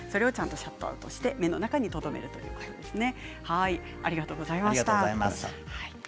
シャットアウトして目の中にとどめるということですね。